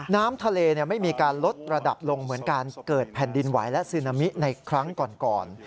น้ำทะเลไม่มีการลดระดับลงเหมือนการเกิดแผ่นดินไหวและซึนามิในครั้งก่อน